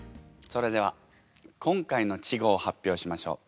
それでは今回の稚語を発表しましょう。